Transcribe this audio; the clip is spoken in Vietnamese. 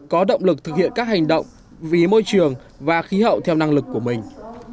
có động lực thực hiện các hành động vì môi trường và khí hậu theo năng lực của mình